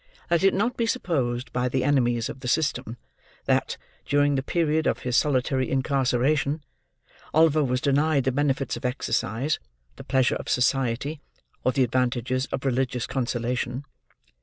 Let it not be supposed by the enemies of "the system," that, during the period of his solitary incarceration, Oliver was denied the benefit of exercise, the pleasure of society, or the advantages of religious consolation.